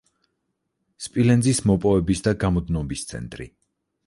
სპილენძის მოპოვების და გამოდნობის ცენტრი.